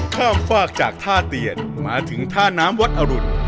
ข้ามฝากจากท่าเตียนมาถึงท่าน้ำวัดอรุณ